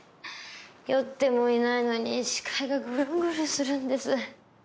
酔ってもいないのに視界がぐるんぐるんするんです。